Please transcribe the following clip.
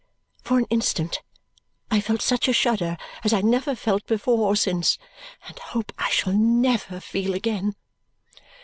For an instant I felt such a shudder as I never felt before or since and hope I shall never feel again.